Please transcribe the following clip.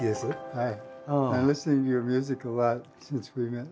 はい。